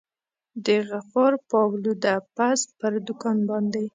د غفار پالوده پز پر دوکان باندي.